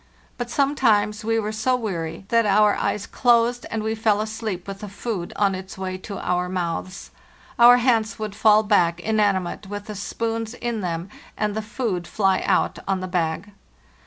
But sometimes we were so weary that our eyes closed, and we fell asleep with the food on its way to our mouths. Our hands would fall back inanimate with the spoons in them and the food fly out on the bag.